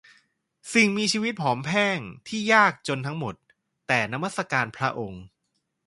สิ่งมีชีวิตผอมแห้งที่ยากจนทั้งหมด แต่นมัสการพระองค์